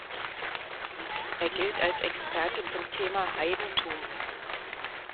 Er gilt als Experte zum Thema Heidentum.